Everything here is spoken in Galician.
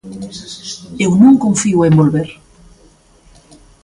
Eu non confío en volver.